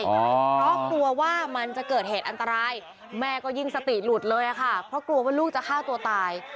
เพราะกลัวว่ามันจะเกิดเหตุอันตรายแม่ก็ยิ่งสติหลุดเลยค่ะเพราะกลัวว่าลูกจะฆ่าตัวตาย